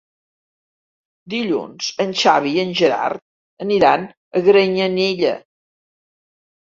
Dilluns en Xavi i en Gerard aniran a Granyanella.